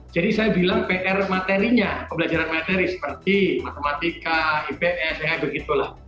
jadi saya bilang pr materinya pembelajaran materi seperti matematika ips sebagainya